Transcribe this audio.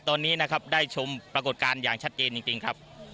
ตอนนี้นะครับได้ชมปรากฏการณ์อย่างชัดเจนจริงครับ